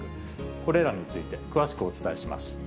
これらについて詳しくお伝えします。